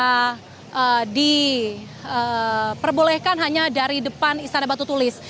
yang diperbolehkan hanya dari depan istana batu tulis